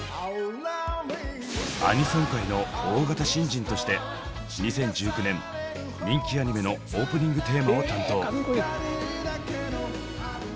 「アニソン界の大型新人」として２０１９年人気アニメのオープニングテーマを担当。